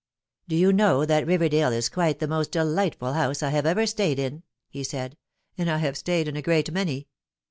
" Do you know that Riverdale is quite the most delightful house I have ever stayed in ?" he said ;" and I have stayed in a great many.